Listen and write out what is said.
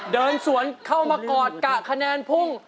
เดินสวนเข้ามากอดกะคะแนนพุ่ง